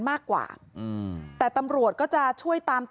มีเรื่องอะไรมาคุยกันรับได้ทุกอย่าง